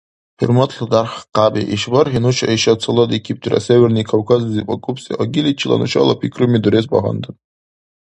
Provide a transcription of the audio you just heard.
ХӀурматла дархкьяби! ИшбархӀи нуша иша цаладикибтира Северный Кавказлизиб акӀубси агиличила нушала пикруми дурес багьандан.